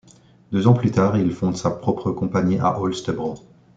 Deux ans plus tard, il fonde sa propre compagnie à Holstebro.